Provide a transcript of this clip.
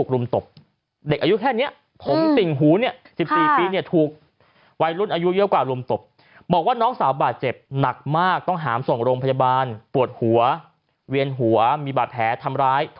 รูปขอสอบแฟนกับตัวหน้าครับ